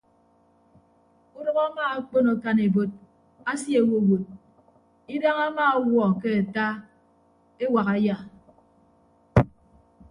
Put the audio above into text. Udʌk ama akpon akan ebot asie owowot idañ ama ọwuọ ke ata ewak aya.